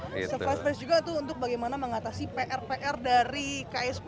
serba fresh juga itu untuk bagaimana mengatasi pr pr dari ksp